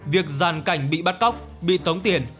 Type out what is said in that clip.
việc giàn cảnh bị bắt cóc bị tống tiền